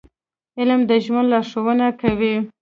• علم د ژوند لارښوونه کوي.